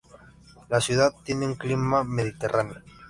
La ciudad tiene un clima mediterráneo.